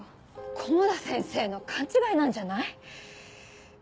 古茂田先生の勘違いなんじゃない？